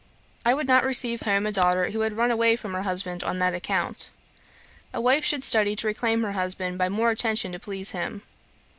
I would not receive home a daughter who had run away from her husband on that account. A wife should study to reclaim her husband by more attention to please him.